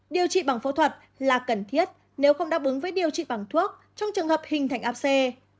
điều trị bằng phẫu thuật là cần thiết nếu không đáp ứng với điều trị bằng thuốc trong trường hợp hình thành apc